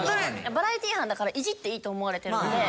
バラエティー班だからイジっていいと思われてるんで。